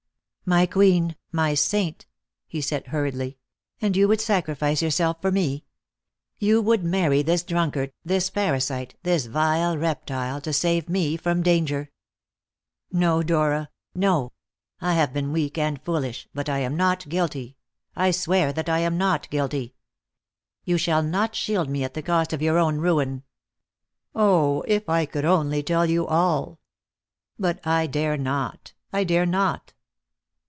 "My queen! my saint!" he said hurriedly; "and you would sacrifice yourself for me. You would marry this drunkard, this parasite, this vile reptile, to save me from danger! No, Dora. No, I have been weak and foolish, but I am not guilty I swear that I am not guilty. You shall not shield me at the cost of your own ruin. Oh, if I could only tell you all! But I dare not, I dare not!"